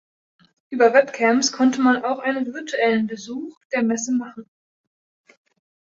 Über Webcams konnte man auch einen virtuellen Besuch auf der Messe machen.